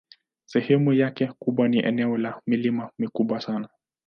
Sehemu yake kubwa ni eneo la milima mikubwa sana.